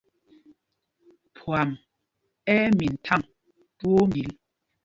Phwam ɛ́ ɛ́ min thaŋ twóó mbil.